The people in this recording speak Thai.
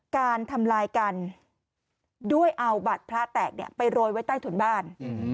การทำลายกันด้วยเอาบัตรพระแตกไปโรยไว้ใต้ถุนบ้าน